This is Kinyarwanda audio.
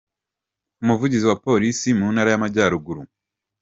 Umuvugizi wa Polisi mu ntara y’Amajyaruguru I.